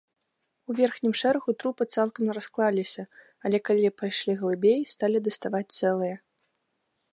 У верхнім шэрагу трупы цалкам расклаліся, але калі пайшлі глыбей, сталі даставаць цэлыя.